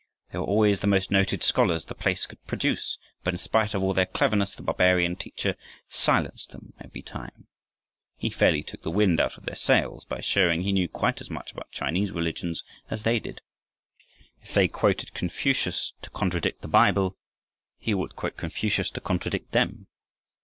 They were always the most noted scholars the place could produce, but in spite of all their cleverness the barbarian teacher silenced them every time. He fairly took the wind out of their sails by showing he knew quite as much about Chinese religions as they did. If they quoted Confucius to contradict the Bible, he would quote Confucius to contradict them.